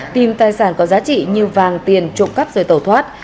tìm tài sản có giá trị như vàng tiền trộm cắp rồi tẩu thoát